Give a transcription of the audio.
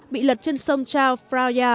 bị lật trên sông chao phraya